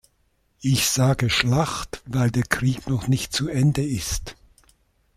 Ich sage "Schlacht", weil der Krieg noch nicht zu Ende ist.